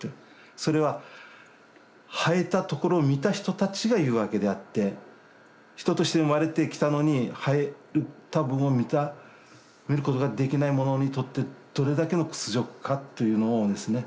それは生えたところを見た人たちが言うわけであって人として生まれてきたのに生えた部分を見ることができない者にとってどれだけの屈辱かっていうのをですね